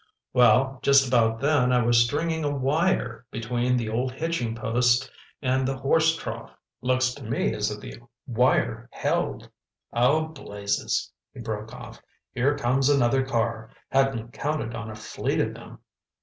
"Well, just about then I was stringing a wire between the old hitching post and the horse trough. Looks to me as if the wire held. Oh, blazes!" he broke off—"here comes another car! Hadn't counted on a fleet of them!